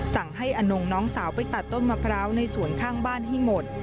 สั่งให้อนงน้องสาวไปตัดต้นมะพร้าวในสวนข้างบ้านให้หมด